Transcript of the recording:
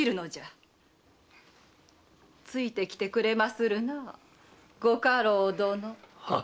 ついてきてくれまするなご家老殿。